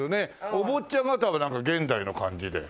お坊ちゃま方はなんか現代の感じで。